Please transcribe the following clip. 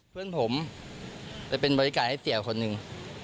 เพื่อนผมไปเป็นบริการให้เสียคนหนึ่ง